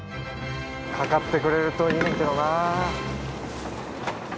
かかってくれるといいんだけどな。